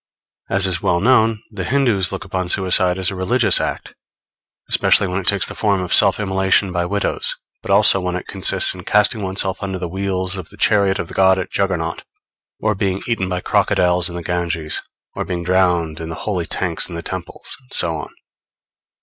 As is well known, the Hindoos look upon suicide as a religious act, especially when it takes the form of self immolation by widows; but also when it consists in casting oneself under the wheels of the chariot of the god at Juggernaut, or being eaten by crocodiles in the Ganges, or being drowned in the holy tanks in the temples, and so on.